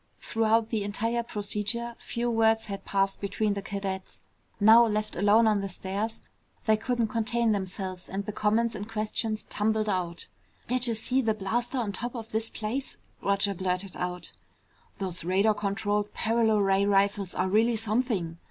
Throughout the entire procedure few words had passed between the cadets. Now left alone on the stairs, they couldn't contain themselves and the comments and questions tumbled out. "Did'ja see that blaster on top of this place?" Roger blurted out. "Those radar controlled paralo ray rifles are really something!"